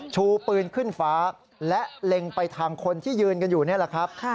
ชูปืนขึ้นฟ้าและเล็งไปทางคนที่ยืนกันอยู่นี่แหละครับ